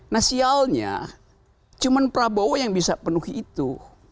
nah sialnya cuma prabowo yang bisa penuhi itu